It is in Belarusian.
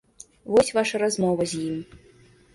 Вось ваша размова з ім.